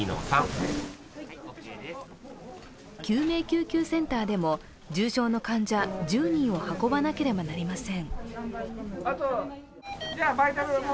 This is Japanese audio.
救命救急センターでも重症の患者１０人を運ばなければなりません。